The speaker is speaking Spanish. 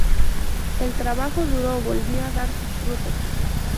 El trabajo duro volvió a dar sus frutos.